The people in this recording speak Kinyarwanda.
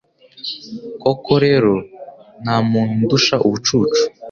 Koko rero nta muntu undusha ubucucu